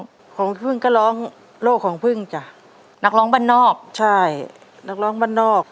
จำได้ไหมว่าพี่พึ่งเพลงอะไรบ้างที่ป้าได้ได้นำผลงานของพี่พึ่งมาร้อง